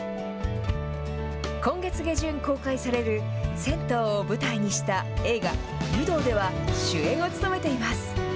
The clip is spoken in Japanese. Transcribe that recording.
今月下旬公開される銭湯を舞台にした映画、湯道では、主演を務めています。